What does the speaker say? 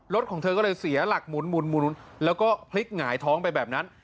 รถของเธอก็เลยเสียหลักหมุนแล้วก็พลิกหงายท้องไปแบบนั้น